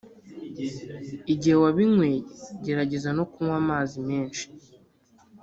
igihe wabinyweye gerageza no kunwa amazi menshi